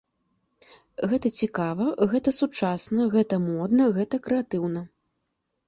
Гэта цікава, гэта сучасна, гэта модна, гэта крэатыўна.